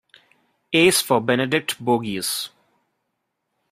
Ace for Benedict Bogeaus.